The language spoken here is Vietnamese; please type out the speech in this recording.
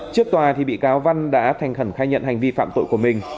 trước tòa thì bị cáo văn đã thành khẩn khai nhận hành vi phạm tội của mình